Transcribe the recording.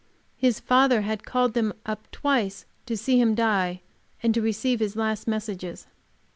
His father had called them up twice to see him die and to receive his last messages.